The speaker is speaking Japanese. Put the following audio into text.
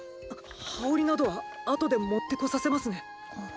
羽織などはあとで持ってこさせますね！